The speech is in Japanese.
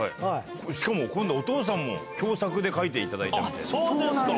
これ、しかも今回お父さんも共作で描いていただいたんです。